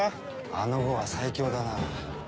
あの伍は最強だなぁ。